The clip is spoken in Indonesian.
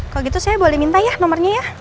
kalau gitu saya boleh minta ya nomornya ya